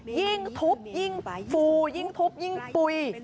ยิ่งทุบยิ่งฟูยิ่งทุบยิ่งปุ๋ย